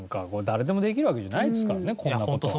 誰でもできるわけじゃないですからねこんな事は。